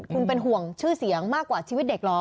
คุณเป็นห่วงชื่อเสียงมากกว่าชีวิตเด็กเหรอ